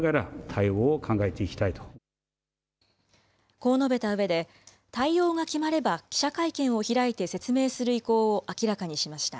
こう述べたうえで、対応が決まれば、記者会見を開いて説明する意向を明らかにしました。